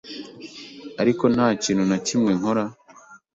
ariko nta kintu na kimwe nkora.